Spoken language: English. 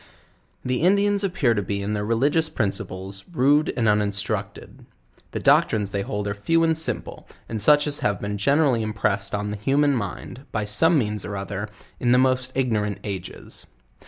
The Indians appear to be in their religious principles, rude and uninstructed. The doctrines they hold are few and 102 JOURNAL OF simple, and such as have been generally impressed on the human mind, by eome means or other, in the most ignorant ages.